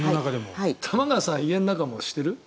玉川さん家の中もしてる？